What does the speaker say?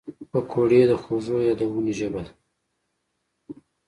پکورې د خوږو یادونو ژبه ده